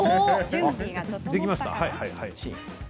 できました。